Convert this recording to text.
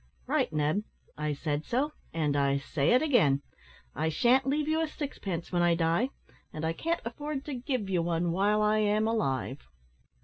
"Right, Ned; I said so; and I say it again. I shan't leave you a sixpence when I die, and I can't afford to give you one while I am alive."